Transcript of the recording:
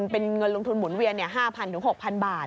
เป็นเงินลงทุนหมุนเวียน๕๐๐๖๐๐บาท